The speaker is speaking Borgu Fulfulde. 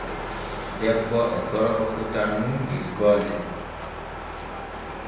Debbo e gorko fotan nun der golle.